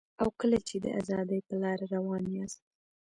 او کله چي د ازادۍ په لاره روان یاست